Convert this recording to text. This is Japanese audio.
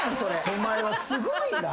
お前はすごいな。